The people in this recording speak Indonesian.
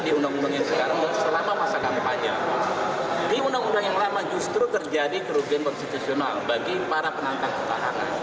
di undang undang yang lama justru terjadi kerugian konstitusional bagi para penantang petahana